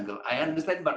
saya memahami air